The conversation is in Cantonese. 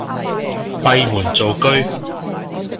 閉門造車